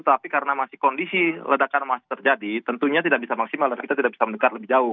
tapi karena masih kondisi ledakan masih terjadi tentunya tidak bisa maksimal dan kita tidak bisa mendekat lebih jauh